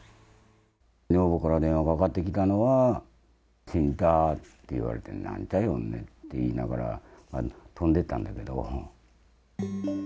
女房から電話かかってきたのは、死んだって言われて、なんだよって言いながら、飛んでったんだけど。